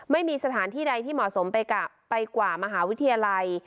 ไม่มีสถานที่ใดที่เหมาะสมไปกว่ามหาวิทยาลัย